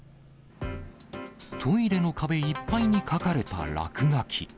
トイレの壁いっぱいに描かれた落書き。